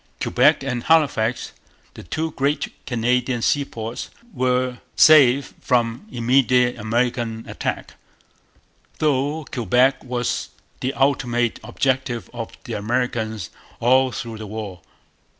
Quebec and Halifax, the two great Canadian seaports, were safe from immediate American attack; though Quebec was the ultimate objective of the Americans all through the war.